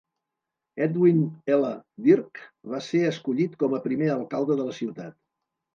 Edwin L. Dirck va ser escollit com a primer alcalde de la ciutat.